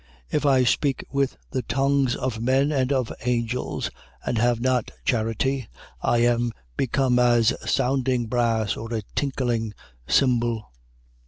13:1. If I speak with the tongues of men and of angels, and have not charity, I am become as sounding brass, or a tinkling cymbal.